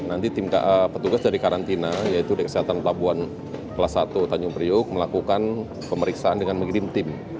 nanti tim petugas dari karantina yaitu dari kesehatan pelabuhan kelas satu tanjung priuk melakukan pemeriksaan dengan mengirim tim